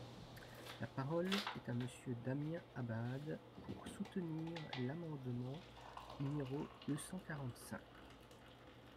La parole est à Monsieur Damien Abad, pour soutenir l’amendement numéro deux cent quarante-cinq.